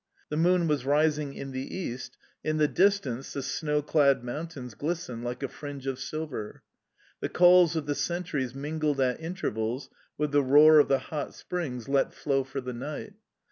The moon was rising in the east; in the distance, the snow clad mountains glistened like a fringe of silver. The calls of the sentries mingled at intervals with the roar of the hot springs let flow for the night.